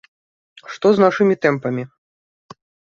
Што з нашымі тэмпамі?